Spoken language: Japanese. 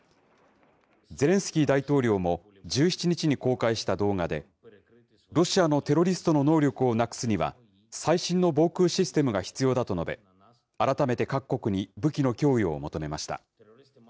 ゼレンスキー大統領も１７日に公開した動画で、ロシアのテロリストの能力をなくすには、最新の防空システムが必要だと述べ、改めて各国に武器の供与を求めました。